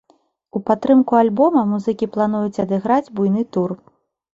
У падтрымку альбома музыкі плануюць адыграць буйны тур.